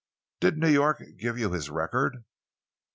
"Did New York give you his record?"